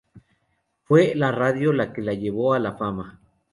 Fue la radio la que la llevó a la fama.